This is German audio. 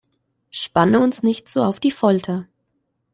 Spanne uns nicht so auf die Folter!